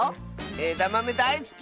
えだまめだいすきッス！